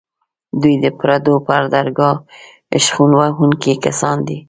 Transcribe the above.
دوی د پردو پر درګاه شخوند وهونکي کسان دي.